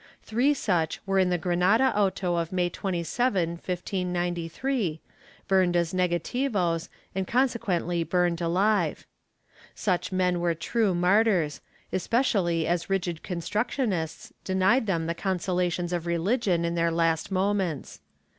Three such there were in the Granada auto of May 27, 1593, burnt as negativos and consequently burnt alive.^ Such men were true martyrs, especially as rigid constructionists denied them the consolations of religion in their last moments.